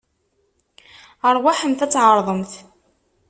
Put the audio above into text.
Aṛwaḥemt ad tɛeṛḍemt.